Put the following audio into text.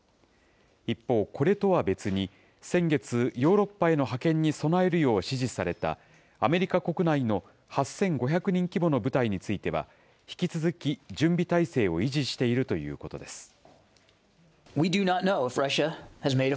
一方、これとは別に先月、ヨーロッパへの派遣に備えるよう指示された、アメリカ国内の８５００人規模の部隊については、引き続き、準備態勢を維持しているということです。